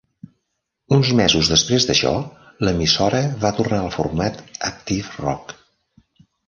Uns mesos després d'això, l'emissora va tornar al format active rock.